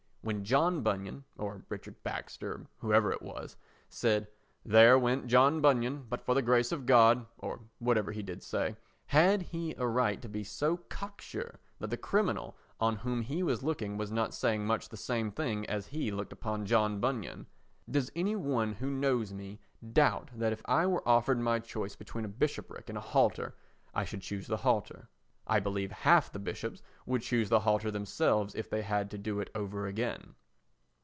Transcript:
When John Bunyan (or Richard Baxter, or whoever it was) said "There went John Bunyan, but for the grace of God" (or whatever he did say), had he a right to be so cock sure that the criminal on whom he was looking was not saying much the same thing as he looked upon John Bunyan? Does any one who knows me doubt that if I were offered my choice between a bishopric and a halter, I should choose the halter? I believe half the bishops would choose the halter themselves if they had to do it over again.